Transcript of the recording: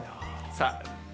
さあ。